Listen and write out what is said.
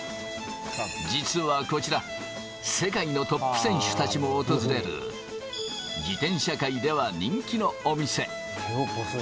実はこちら世界のトップ選手たちも訪れる自転車界では人気のお店。